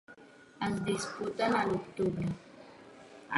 Es disputen a l'octubre.